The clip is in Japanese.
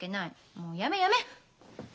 もうやめやめ！